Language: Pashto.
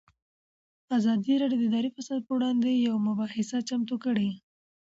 ازادي راډیو د اداري فساد پر وړاندې یوه مباحثه چمتو کړې.